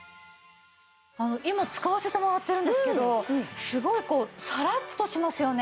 あの今使わせてもらってるんですけどすごいこうさらっとしますよね。